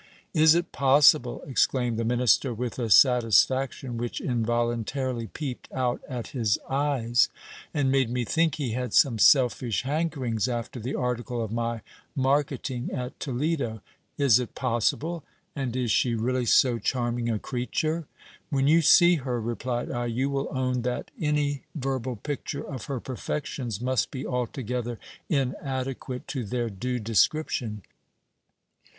Is it possible ? exclaimed the minister with a satisfaction which involuntarily peeped out at his eyes, and made me think he had some selfish hankerings after the article of my marketing at Toledo ; is it possible ? and is she really so charming a creature ? When you see her, replied I, you will own that any ver bal picture of her perfections must be altogether inadequate to their due descrip tion.